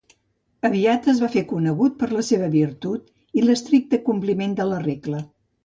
Aviat es va fer conegut per la seva virtut i l'estricte compliment de la regla.